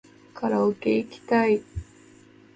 カラオケいきたい